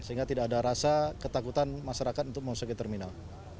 sehingga tidak ada rasa ketakutan masyarakat untuk memasuki terminal